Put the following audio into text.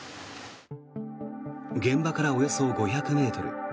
現場からおよそ５００ｍ。